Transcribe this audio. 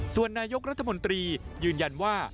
ส่วนนายกรัฐมนตรียืนยันว่า